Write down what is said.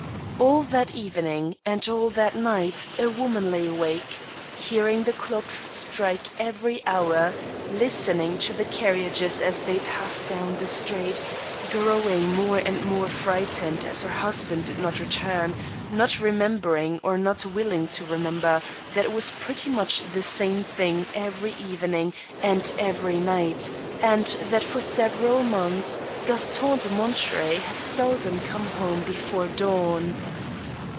All that evening and all that night a woman lay awake, hear ing the clocks strike every hour, listening to the carriages as they passed down the street, growing more and more frightened as her husband did nof return, not remembering or not willing to remem ber that it was pretty much the same thing every evening and every night, and that for several months Gaston de Monterey had seldom come home before dawn.